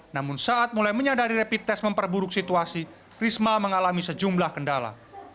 namun saat mulai menyadari rapid test memperburuk situasi risma mengalami sejumlah kendala